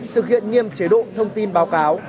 thực hiện nghiêm chế độ thông tin báo cáo